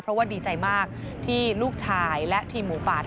เพราะว่าดีใจมากที่ลูกชายและทีมหมูป่า